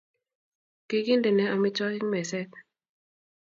Kikintene amitwogik meset.